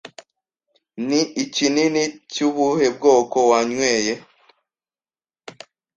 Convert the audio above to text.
ni ikinini cyubuhe bwoko wanyweye